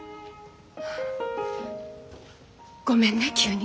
ごめんね急に。